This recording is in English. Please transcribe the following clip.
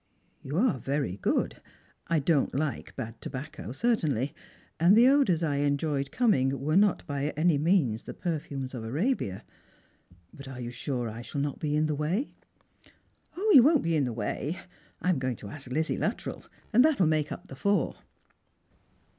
" You're very good. I don't like bad tobacco, certainly ; and the odours I enjoyed coming were not by any means the perfumes of Arabia. But are you sure I shall not be in \he way ?"" 0, you won't be in the way. I am going to ask Lizzie Luttrell, and that'll make up the four."